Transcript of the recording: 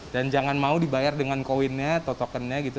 dan jangan mau dibayar dengan koinnya atau tokennya gitu